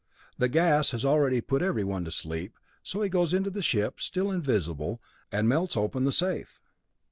The gas has already put everyone to sleep, so he goes into the ship, still invisible, and melts open the safe.